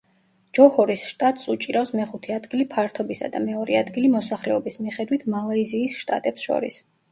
ჯოჰორის შტატს უჭირავს მეხუთე ადგილი ფართობისა და მეორე ადგილი მოსახლეობის მიხედვით მალაიზიის შტატებს შორის.